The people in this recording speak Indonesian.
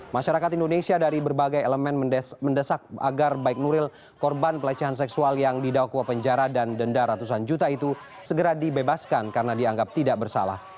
masyarakat indonesia dari berbagai elemen mendesak agar baik nuril korban pelecehan seksual yang didakwa penjara dan denda ratusan juta itu segera dibebaskan karena dianggap tidak bersalah